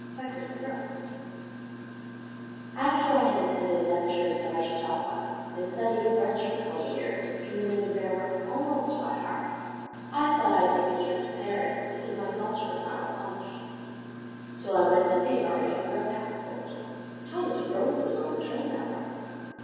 Ida Chicken After I had attended lectures At our Chautauqua, and studied French For twenty years, committing the grammar Almost by heart, I thought I'd take a trip to Paris To give my culture a final polish. So I went to Peoria for a passport— (Thomas Rhodes was on the train that morning.)